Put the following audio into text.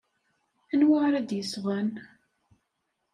Anwa ara d-yesɣen?